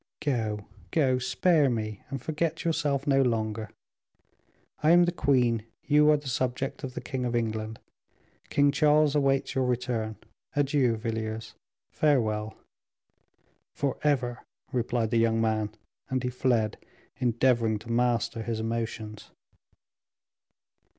"Go, go; spare me and forget yourself no longer. I am the queen; you are the subject of the king of England; King Charles awaits your return. Adieu, Villiers, farewell." "Forever!" replied the young man, and he fled, endeavoring to master his emotions.